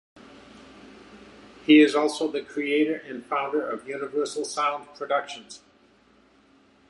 He is also the creator and founder of Universal Sound Productions.